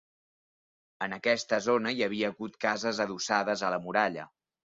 En aquesta zona hi havia hagut cases adossades a la muralla.